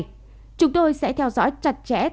điều đáng khích lệ là số người nhập viện đã giảm trong tuần này